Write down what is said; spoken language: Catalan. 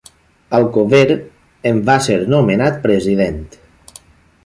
Alcover en va ser nomenat president.